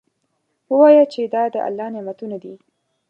ووایه چې دا د الله نعمتونه دي.